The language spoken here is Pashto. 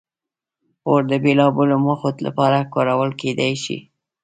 اور د بېلابېلو موخو لپاره کارول کېدی شي.